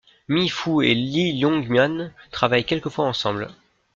Mi Fu et Li Longmian travaillent quelquefois ensemble.